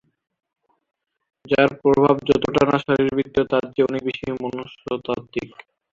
যার প্রভাব যতটা না শারীরবৃত্তীয় তার চেয়ে অনেক বেশি মনস্তাত্ত্বিক।